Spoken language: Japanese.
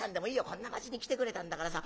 こんな町に来てくれたんだからさ。